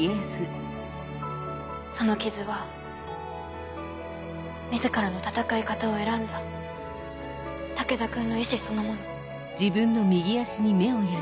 その傷は自らの戦い方を選んだ武田君の意思そのもの。